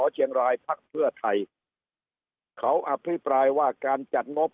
เชียงรายพักเพื่อไทยเขาอภิปรายว่าการจัดงบ